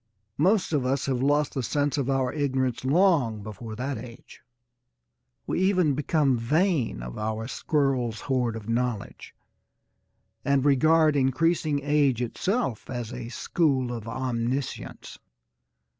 Most of us have lost the sense of our ignorance long before that age. We even become vain of our squirrel's hoard of knowledge and regard increasing age itself as a school of omniscience.